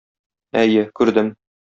Әйе, күрдем.